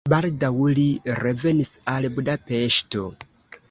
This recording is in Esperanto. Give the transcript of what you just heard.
Baldaŭ li revenis al Budapeŝto.